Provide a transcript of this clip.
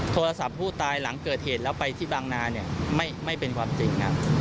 โทรศัพท์ผู้ตายหลังเกิดเหตุแล้วไปที่บางนาเนี่ยไม่เป็นความจริงครับ